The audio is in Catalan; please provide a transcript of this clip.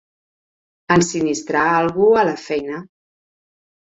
Ensinistrar algú a la feina.